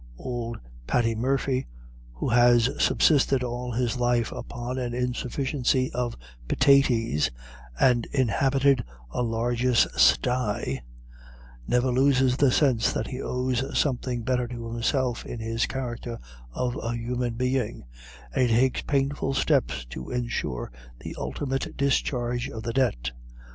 Ould Pat Murphy, who has subsisted all his life upon an insufficiency of pitaties, and inhabited a largish sty, never loses the sense that he owes something better to himself in his character of a human being, and he takes painful steps to ensure the ultimate discharge of the debt.